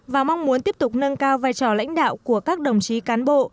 và mong muốn tiếp tục nâng cao vai trò lãnh đạo của các đồng chí cán bộ